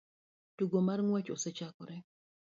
Tugo mar ng'wech osechakore